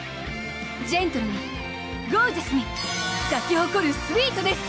ジェントルにゴージャスに咲き誇るスウィートネス！